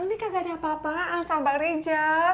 ini kagak ada apa apaan sama bang reja